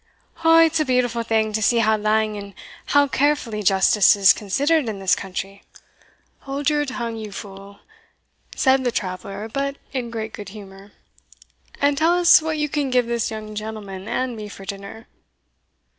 O it's a beautiful thing to see how lang and how carefully justice is considered in this country!" "Hold your tongue, you fool," said the traveller, but in great good humour, "and tell us what you can give this young gentleman and me for dinner."